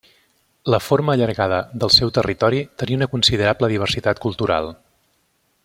La forma allargada del seu territori tenia una considerable diversitat cultural.